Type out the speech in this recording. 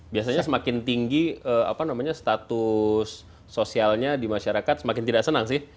biasanya semakin tinggi status sosialnya di masyarakat semakin tidak senang sih